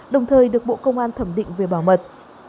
đồng thời được bộ công an thẩm định về bảo mật